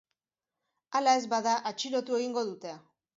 Hala ez bada, atxilotu egingo dute.